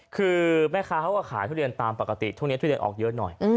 คือแม่ค้าเขาก็ขายทุเรียนตามปกติช่วงนี้ทุเรียนออกเยอะหน่อย